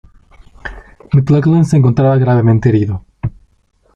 McLoughlin se encontraba gravemente herido.